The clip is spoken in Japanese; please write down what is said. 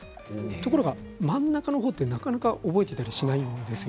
ところが真ん中のほうはなかなか覚えていたりしないんですよ。